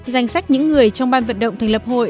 danh sách những người trong ban vận động thành lập hội